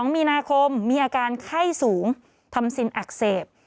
๒มีนาคมมีอาการไข้สูงทำซินอักเสบ